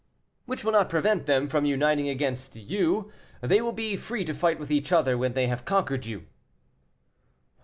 "Which will not prevent them from uniting against you; they will be free to fight with each other when they have conquered you."